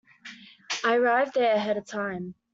I arrived there ahead of time.